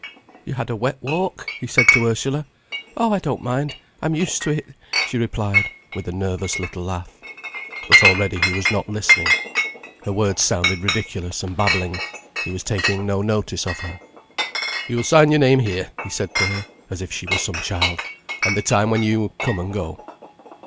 "You had a wet walk," he said to Ursula. "Oh, I don't mind, I'm used to it," she replied, with a nervous little laugh. But already he was not listening. Her words sounded ridiculous and babbling. He was taking no notice of her. "You will sign your name here," he said to her, as if she were some child—"and the time when you come and go."